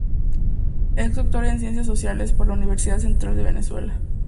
Es doctor en Ciencias Sociales por la Universidad Central de Venezuela.